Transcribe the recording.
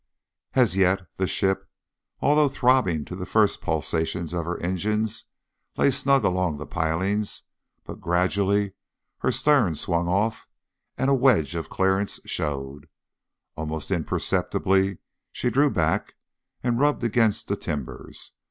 As yet the ship, although throbbing to the first pulsations of her engines, lay snug along the piling, but gradually her stern swung off and a wedge of clearance showed. Almost imperceptibly she drew back and rubbed against the timbers.